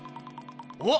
おっ！